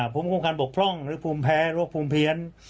ภูมิคุมความบกพร่องหรือภูมิแพ้หรือโรคภูมิเพี้ยน